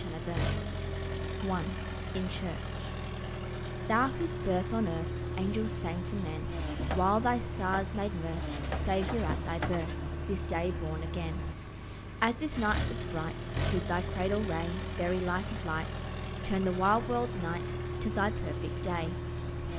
CHRISTMAS ANTIPHONES I IN CHURCH THOU whose birth on earth Angels sang to men, While thy stars made mirth, Saviour, at thy birth, This day born again; As this night was bright With thy cradle ray, Very light of light, Turn the wild world's night To thy perfect day.